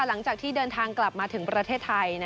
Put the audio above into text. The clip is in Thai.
หลังจากที่เดินทางกลับมาถึงประเทศไทย